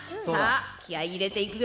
気合い入れていくよ。